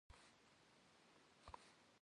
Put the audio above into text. Bğur yiuç'ıu yêlş'aner ç'esu khiha xuedeş.